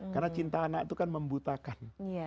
karena cinta anak itu kan membutakan